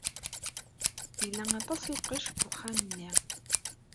Yella aṭas n lqecc deg uxxam-nni.